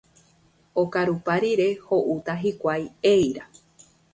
Okarupa rire ho'úta hikuái eíra.